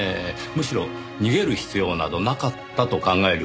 むしろ逃げる必要などなかったと考えるべきでしょうか。